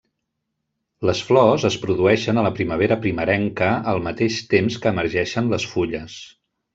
Les flors es produeixen a la primavera primerenca al mateix temps que emergeixen les fulles.